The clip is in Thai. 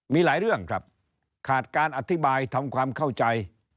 มีหลายเรื่องครับขาดการอธิบายทำความเข้าใจ